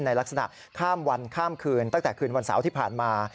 ลักษณะข้ามวันข้ามคืนตั้งแต่คืนวันเสาร์ที่ผ่านมา